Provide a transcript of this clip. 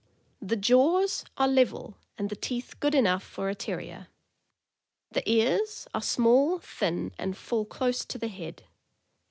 The jaws are level, and the teeth good enough for a Terrier. The ears are small, thin, and fall close to the head.